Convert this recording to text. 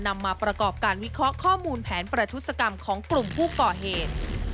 นำมาประกอบการวิเคราะห์ข้อมูลแผนประทุศกรรมของกลุ่มผู้ก่อเหตุ